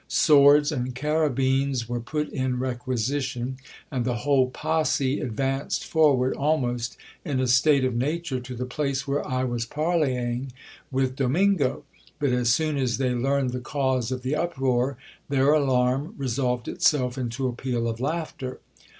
Swords and carabines were put in requisition, and the whole posse advanced forward almost in a state of nature to the place where I was parleying with Domingo. But as soon as they learned the cause of the uproar, their alarm resolved itself into a peal of laughter.